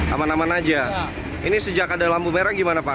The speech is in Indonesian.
aman aman aja ini sejak ada lampu merah gimana pak